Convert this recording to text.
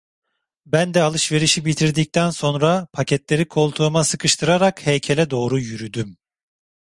Ben de alışverişi bitirdikten sonra paketleri koltuğuma sıkıştırarak heykele doğru yürüdüm.